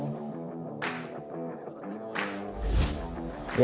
gitu sih paling